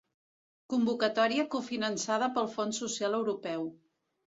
Convocatòria cofinançada pel Fons Social Europeu.